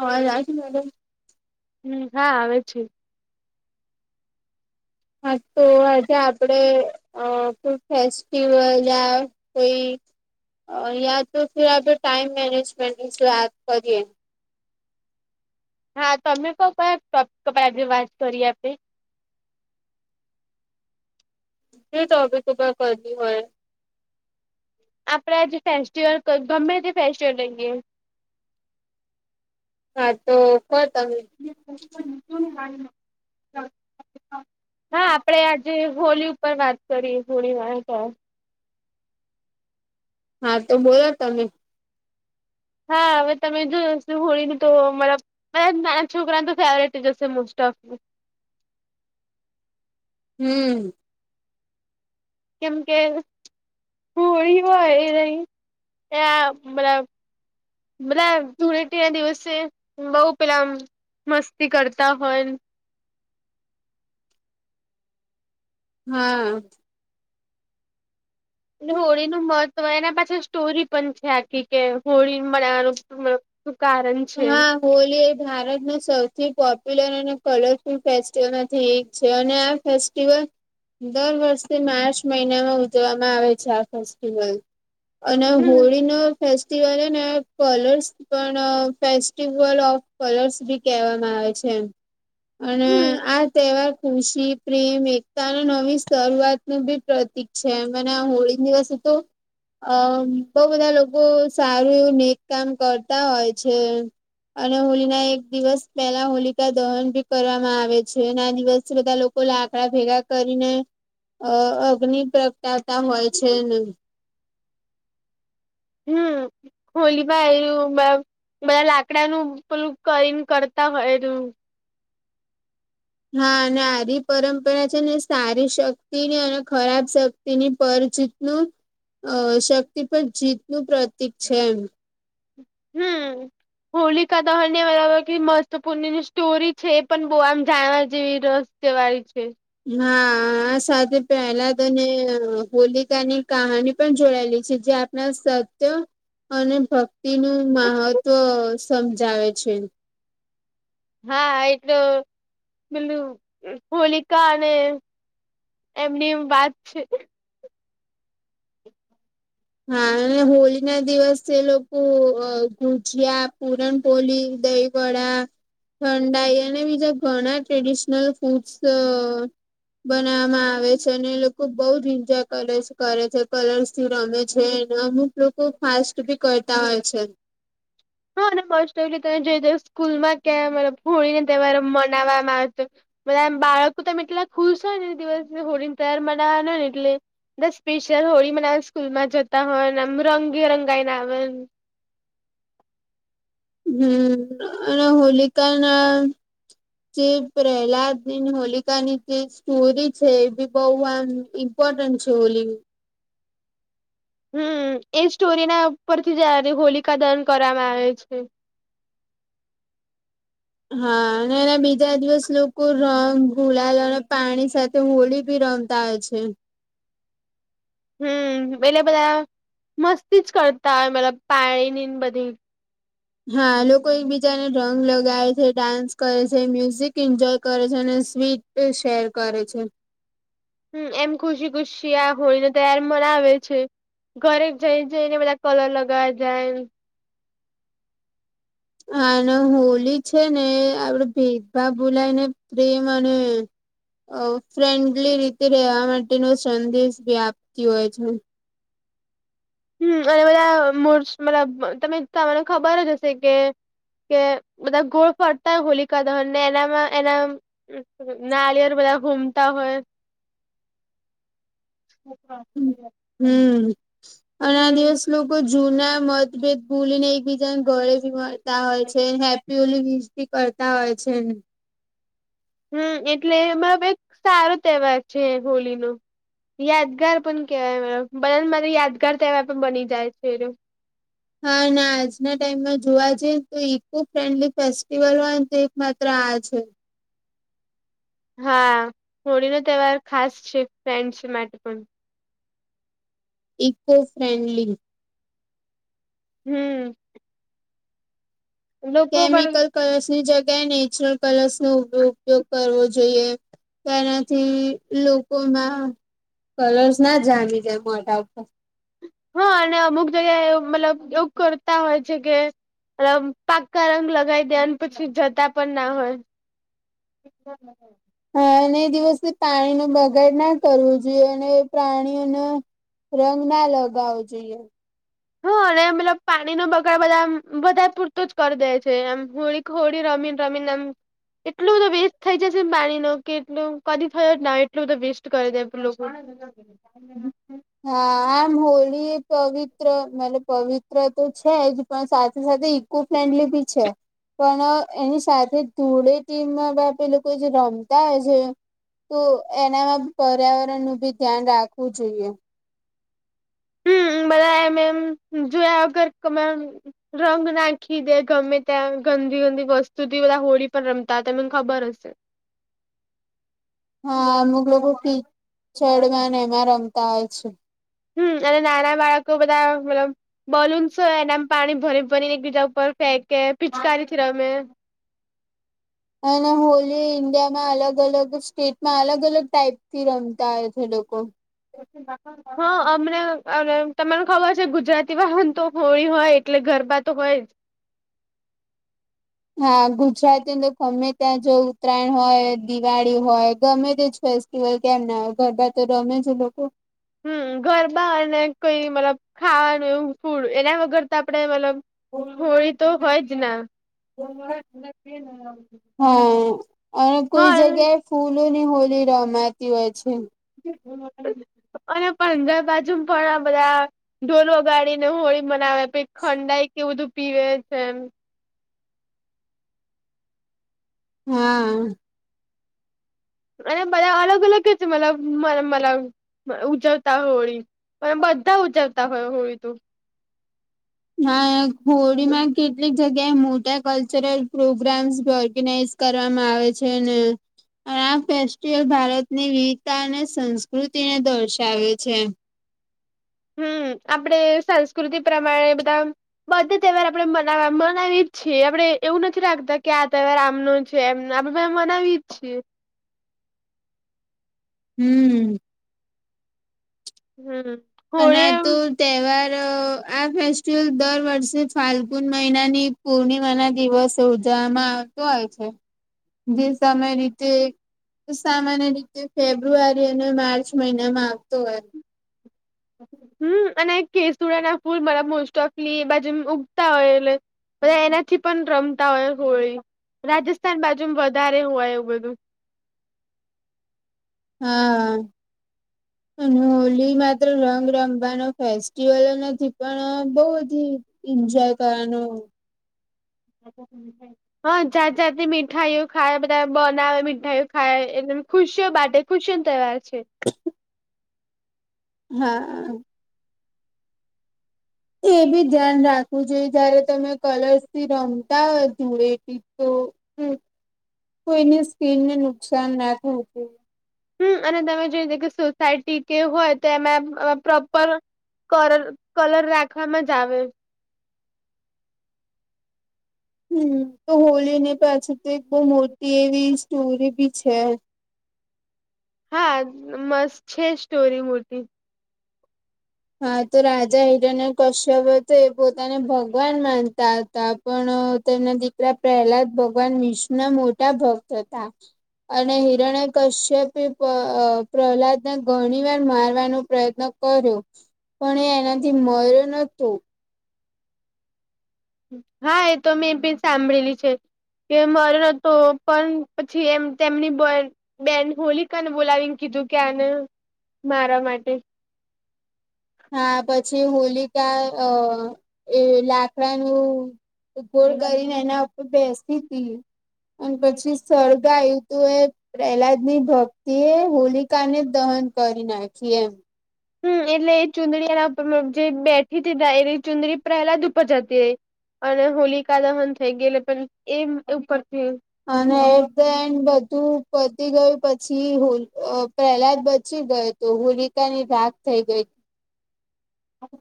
હા રા મેડમ હમ હા આવે છે. હા તો આજે આપડે કોઈ ફેસ્ટિવલ યા કોઈ યા તો આપણે ટાઈમ મેનેજમેન્ટ ની જો વાત કરીએ હા તમમે ક ક આજે વાત કરી આપે એ તોબ તોબ કરની હોય. આપડે જે ફેસ્ટિવલ ગમે તે ફેસ્ટિવલ રહીએ હા તો કો તમે હા આપણેે આજે હોળી ઉપર વાત કરીએ હોળી વાળ હા તો બોલો તમે હા હવે તમે જોવો હોળી ને તો [unintelligible] બધા નાના છોકરાને તો ફેવરેટ હશે મોસ્ટ ઓફ હમ કેમ કે હોળી હોય એ ન એ મતલબ મતલબ ધૂળેટી ના દિવસે બહું પેલામ મસ્તી કરતા હોય હમ એટલે હોળીનું મહત્વ એના પાછળ સ્ટોરી પણ છે આખી કે હોળી મળવાનું શું કારણ છે. હા હોલી એ ભારતના સૌથી પોપ્યુલર અને કલરફુલ ફેસ્ટિવલમાંથી એક છે અને આ ફે ફેસ્ટિવલ દર વર્ષે માર્ચ મહિનામાં ઉજવવામાં આવે છે આ ફેસ્ટિવલ અને હમ હોળી ન ફેસ્ટિવલ હ ને કલર્સ પણ ફેસ્ટિવલ ઓફ કલર્સ બી કહેવામાં આવે છે એમ અને હમ આ તહેવાર ખુશી પ્રેમ એકતા અને નવી શરૂઆત નું બી પ્રતિક છે મને આ હોળી દિવસ તો અ બહુ બધા લોકો સારું એવું નેક કામ કરતા હોય છે. અને હોલી ના એક દિવસ પહેલા હોલિકા દહન ભી કરવામાં આવે છે અને આ દિવસે બધા લોકો તો લાકડા ભેગા કરીને અગ્નનિ પ્રગટાતા હોય છેને હમ હોલીમાં એયું બધા લાકડાનું પેલું કરીને કરતા હોય એ હા અને સારી પરંપરા છે ને સારી શક્તિ ને અને ખરાબ શ તેની પર જીતનું અ શક્તિ પર જીતનું પ્રતિક છે એ હમ [inaudible] હોલિકા દહન ને મસ્ત પૂણની સ્ટોરી છે એ પણ બહુ આમ જાણવા જેવી રસ કેવાય છે. હા આ સાથે પેલા હોલિકા ની કહાની પણ જોડેલી છે જે ના સત્ય અને ભક્તિ નું મહત્વ સમજાવે છે. હા એટલે પેલું હોલિકા અને એમની એમ વાત છે હા અને હોળી ના દિવસે લોકો ગુજીયા પૂરણપોલી દહી વડા ઠંડાઈ અને બીજા ઘણા ટ્રેડિશનલ ફૂડસ બનાવવામાં આવે છે અને એ લોકો બહુ જ એન્જોય કલર્સ કરે છે કલર્સ થી રમે છેને અમુક લોકો ફાસ્ટ ભી કરતા હોય છે. હા અને ફાસ્ટ એ તમે જઈ સ્કૂલ માં ક્યાં મ ભણી ને તમારે મનાવમાં આવ બધા બાળકો તમે એટલા ખુશ હોય ને દિવસ હોળી નો તહેવાર માનાવાનો હોય ને એટલે સ્પેશિયલ હોળી મનાવા સ્કૂલ માં જતા હોય ને એમ રંગે રંગાઈને આવે હમ અને હોલિકા ના જે પ્રહલાદ ની ને હોલિકાની જે સ્ટોરી છે એ બી બહુ આમ ઇમ્પોર્ટન્ટ છે હોલી હમ એ સ્ટોરીના ઉપરથી જ્યારે હોલિકા દહન કરવામાં આવે છે. હા અને એના બીજા દિવસ લોકો રંગ ગુલાલ અને પાણી સાથે તો હોળી ભી રમતા હોય છે. હમ એટલે બધા મસ્તી જ કરતા હોય મતલબ પાણીની બધી હા લોકો એકબીજાને રંગ લગાવે છે ડાન્સ કરે છે મ્યુઝિક એન્જોય કરે છે અને સ્વીટ શેર કરે છે. હમ એમ ખુશી ખુશી આ હોળી નો તહેવાર મનાવે છે. ઘરે જઈ જઈ ને બધા કલર લગાવા જાય. હ અને હોળી છે ને આપડે ભેદભાવ ભૂલાય ને પ્રેમ અને. અ ફ્રેન્ડલી રીતે રહેવા માટેનો સંદેશ ભી આપતી હોય છે. હમ અને બધા મર મબ તમે તને ખબર જ હશે કે. કે બધા ગોળ ફરતા હોલિકા દહન ને એનામાં એના. નારિયળ બધા ઘુમ. તા હોય. [unintelligible] હમ અને આ હમ દિવસ લોકો જૂના મતભેદ ભૂલીને એકબીજાના ગળે. મળતા હોય છે હેપ્પી હોલી વિશ ભી કરતા હોય છે. હમ એટલે મતલબ એક સારો તહેવાર છે હોળી નો. યાદગાર પણ કેવાય બધાને મારે યાદગાર તવા પણ બની જાય છે એ. હા આજના ટાઈમમાં જોવા જઈએ તો ઈકો ફ્રેન્ડલી ફેસ્ટિવલમાં જ એક માત્ર આ છે. હા હોળી નો તહેવાર ખાસ છે ફ્રેન્ડસ માટે પણ. Eco friendly. હમ્મ. પણ કેમિકલ કલર્સ ની જગ્યાએ નેચરલ કલર્સ નો ઉપયોગ કરવો જોઈએ. તેનાથી લોકોમાં કલર્સ ના જામી જાય મોઢા ઉપર. હા અને અમુક જગ્યા એ મતલબ એવું કરતા હોય છે કે. મતલબ પાક્કા રંગ લગાવી દે અને પછી જતા પણ ના હોય. [unintelligible] હા અને એ દિવસથી પાણી નો બગાડ ના કરવો જોઈએ અને પ્રાણીઓને. રંગ ના લગાવ જોઈએ. હા અને [unintelligible] મતલબ પાણીનો બગાડ બધા બધા પૂરતું જ કરી દે છે એમ હોળી હોળી રમીન રમીન એમ. એટલો બધો વેસ્ટ થઈ જશે એમ પાણી ન કે એટલ કદી થયો ના એટલો બધો વેસ્ટ કરી દે લોકો. [unintelligible] હા આમ હોળી પવિત્ર મત પવિત્ર તો છે જ પણ સાથે સાથે. ખૂબ ફ્રેન્ડલી બી છે. પણ એની સાથે ધૂળેટીમાં આપે લોકો જે રમતા હોય છે. તો એનામાં પર્યાવરણનું ભી ધ્યાન રાખવું જોઈએ. [unintelligible] મેમ જોયા વગર. રંગ નાખી દે ગમે ત્યાં ગંદી ગંદી વસ્તુથી બધા હોળી પર રમતા તમને ખબર હ. [inaudible] [unintelligible] હા હમ અમુક લોકો કિચડમાંને એમાં રમતા હોય છે. હમ અને નાના બાળકો બધા મતલબ. બલૂન્સ હોય એના પાણી ભરી ભરીને એકબીજા ઉપર ફેંકે પિચકારીથી રમે. અને હોલી ઇન્ડિયામાં અલગ અલગ સ્ટેટમાં અલગ અલગ ટાઈપથી રમતા હોય છે લોકો. [unintelligible] હા અમને તમને ખબર છે ગુજરાતી વાહા તો હોળી હોય એટલે ગરબા તો હોય જ. હા ગુજરાતી અંદર ગમે ત્યાં જો ઉત્તરાયણ હોય દિવાળી હોય ગમે તેજ ફે. એવાય કેમ ના ગરબા તો રમે છે લોકો. હમ ગરબા અને કઈ મતલબ ખાવાનું એવું ફૂડ એના વગર તો આપડે મતલબ. હોળ તો હોય જ ના. હા. કૂલો ની હોલી રમાતી હોય છે. [unintelligible] અને પંજાબ બાજુ પણ આ બધા ઢોલ વગાડીને હોળી મનાવે. કંઈક ખંડાઈ કે બધું પીવે છે એમ. હા. અને બધા અલગ અલગ છે મલબ મલ ઉજવતા હોળી પણ બધા ઉજવતા હોય હોળી તો હા હોડી માં કેટલી જગ્યાએ મોટા કલ્ચરલ પ્રોગ્રામ્સ ઓર્ગેનાઈઝ કરવામાં આવે છે ને અને આ ફેસ્ટિવલ ભારતની વિવિધતા અને સંસ્કૃતિને દર્શાવે છે હમ આપણેે સંસ્કૃતિ પ્રમાણે બધા બધ તહેવાર આપ મનાવી જ છીએ આપડે એવું નથી રાખતા કે આ તહેવાર આમનું છેમ આપડે મનાવી છેી હમ હમ અને હોળી એમ તો તહેવાર આ ફેસ્ટિવલ દર વર્ષે ફાલ્ગુન મહિનાની પૂર્ણિમા ના દિવસ ઉજવવામાં આવતો હોય છે જે સામાન્ય રીતે સામાન્ય રીતે ફેબ્રુઆરી અને માર્ચ મહિનામાં આવતો હોય હમ અને કેસુડા ના ફૂલ મરા મોસ્ટ ઓફલી બાજુ ઉગતા હોય એટલે બા એનાથી પણ રમતા હોય હોળી રાજસ્થાન બાજુ વધારે હોય એવું બધું હા અને હોલી માં રંગ રમવાનો ફેસ્ટિવલ નથી પણ બહ એન્જોય કરવાનું તો હા જાત જાતે મીઠાઈઓ ખાય બધા બનાવે મીઠાઈઓ ખાય એટલે ખુશીઓ બાટે ખુશન તહેય છે હા એ બી ધ્યાન રાખે હું જોઈ જયારે તમે કલર્સ થી રમતા હોય ધૂળેટી તો કોઈની સ્કીનને નુકસાન ના થ હોતી હમ અને તમે જોઈ કે સોસાયટી કે હોય તો એમાં પ્રોપર ર કલર રાખવામાં જ આવે હમ તો હોલી ની પાછી તો એક બહ મોટી એવી સ્ટોરી બી છે હા મસ્ત છે સ્ટોરી મૂતિ હા તો રાજા હિરાણ કશ્યપ હતો એ પોતાને ભગવાન માનતા હતા પણ તેમના દીકરા પ્રહલાદ ભગવાન વિષ્ણ મોટા ભક્ત હતા અને હિરણ કશ્ય પ્રહલાદને ઘણી વાર મારવાનો પ્રયત્ન કર્યો પણ એ એનાથી મળર્યો નતો હા એ તો મેં પણી સાંભળેલી છે કે માર હતો પણ પછી એમ તેમની બ બેન હોલિકાને બોલાવીને કીધું કે્યાને મારા માટે હા પછી હોલિકા અ એ લાકડાનુંું તો ગોર ગને એના ઉપર બેસીતી હતીી અને પછી સળગ આવ્યું તું એ પહેલા જ નહી ભક્ તે હોલિકા ને દહન કરી નાખી એમ હમ એટલે એ ચુંદડી એના જે બેઠી હતી એ ચુંદડી પહેલા જ ઉપર જતી ર અને હોલિકા દહન થઈ ગયે પણ એ ઉપરથી અને હમ બધું પતી ગયું પછી હોલ પહેહલાદ બચી ગયો તો હોલિકાની રાત થઈ ગઈ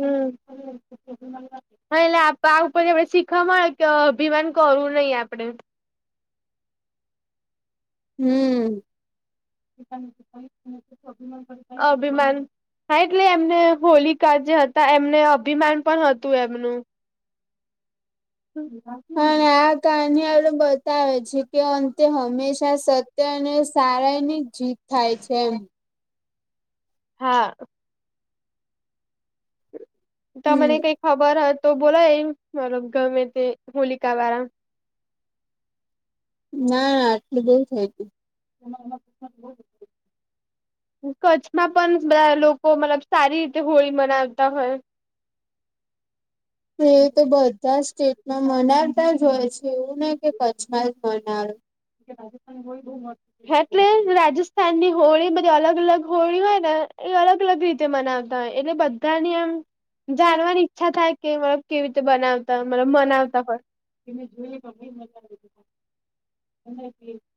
હમ હા એટલે આ ઉપરથી આપડે શીખવા મળે કે અભિમાન કરવું નહીિ આપડે હમ અભિમાન હા એટલે એમને હોલિકા જે હતા એમને અભિમાન પણ હતું એમનું હા આ [unintelligible] આપડું બતાવે જે કે અંતે હંમેશા સત્ય અને સારા એની જીત થાય છે એમ હા હમ તમને કઈ ખબર હો તો બોલો એ મતલબ ગમે તે હોલિકા વાળા ના ના આટલુ બઉ થઇ ગયું [inaudible] કચ્છમાં પણ બધા લોકો મતલબ સારી રીતે હોળી મનાવતા હોય હ એ તો બધા સ્ટેટમાં મનાવતા જ હોય છે એવું નઈ કે કચ્છમાં જ મનાવે રાજસ્થાન હોય [inaudible] એટલે રાજસ્થાનની હોળી બધી અલગ અલગ હોળી હોય ને એ અલગ અલગ રીત તે મનાવતા હોય એટલે બધાની આમ જાણવાની ઈચ્છા થાય કે મબ કેવી રીતે બનાવતા મતલબ બનાવતા હોય [inaudible] [inaudible]